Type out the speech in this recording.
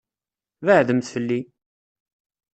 Beɛɛdemt fell-i!